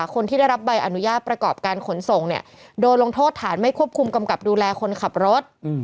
คนที่ได้รับใบอนุญาตประกอบการขนส่งเนี่ยโดนลงโทษฐานไม่ควบคุมกำกับดูแลคนขับรถ